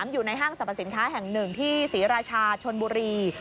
อยู่ในห้างสรรพสินค้าแห่งหนึ่งที่ศรีราชาชนบุรี